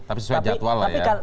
tapi sesuai jadwal lah ya